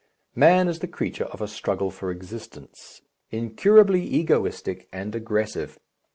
Man is the creature of a struggle for existence, incurably egoistic and aggressive.